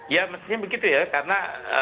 ya mestinya begitu ya karena